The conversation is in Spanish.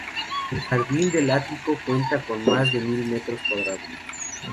El jardín del ático cuenta con más de mil metros cuadrados.